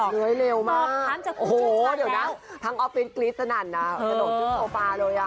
โอ้เดี๋ยวนะทั้งออฟฟิศกรี๊ดสนั่นนะประโยชน์จุดโทษปลาเลย